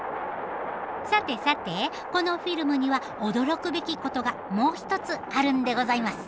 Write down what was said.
さてさてこのフィルムには驚くべきことがもう一つあるんでございます。